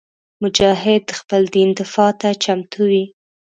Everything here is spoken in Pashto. مجاهد د خپل دین دفاع ته چمتو وي.